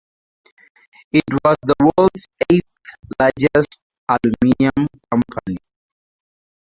It was the world's eighth largest aluminium company.